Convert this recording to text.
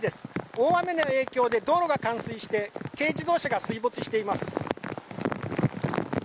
大雨の影響で道路が冠水して軽自動車が水没しています。